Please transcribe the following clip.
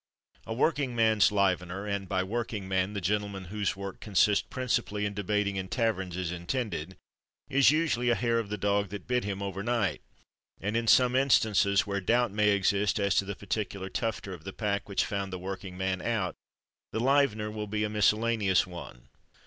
A Working Man's Livener, (and by "working man" the gentleman whose work consists principally in debating in taverns is intended) is usually a hair of the dog that bit him over night; and in some instances where doubt may exist as to the particular "tufter" of the pack which found the working man out, the livener will be a miscellaneous one.